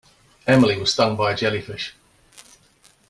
Emily was stung by a jellyfish.